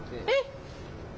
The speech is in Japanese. えっ。